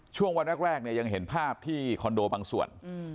ช่วงวันแรกเนี่ยยังเห็นภาพที่คอนโดบางส่วน